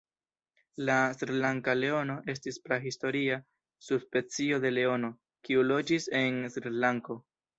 La Srilanka leono estis prahistoria subspecio de leono, kiu loĝis en Srilanko.